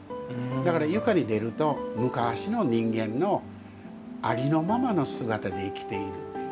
だから床に出ると昔の人間のありのままの姿で生きているという。